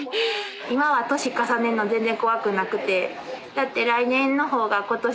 今は年重ねんの全然怖くなくてだってになってるし。